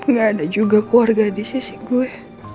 gak ada juga keluarga di sisi gue